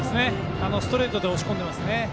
ストレートで押し込んでますね。